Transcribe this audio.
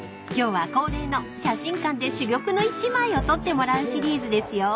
今日は恒例の写真館で珠玉の一枚を撮ってもらうシリーズですよ］